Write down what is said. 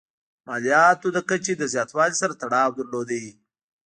مالیاتو د کچې له زیاتوالي سره تړاو درلود.